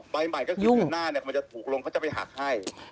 ใบใหม่ก็คือหน้าเนี่ยมันจะถูกลงเขาจะไปหักให้